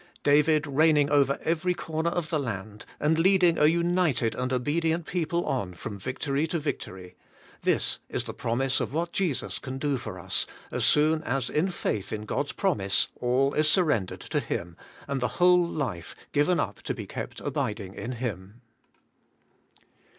David reigning over every corner of the land, and leading a united and obedient people on from victory to victory; this is the promise of what Jesus can do for us, as soon as in faith in God's promise all is surrendered to Him, and the whole life given up to be kept abiding in Him.